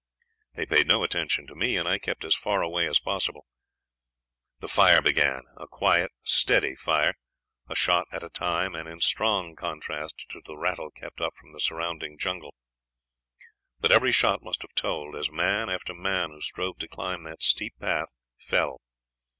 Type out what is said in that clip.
They paid no attention to me, and I kept as far away as possible. The fire began a quiet, steady fire, a shot at a time and in strong contrast to the rattle kept up from the surrounding jungle; but every shot must have told, as man after man who strove to climb that steep path fell.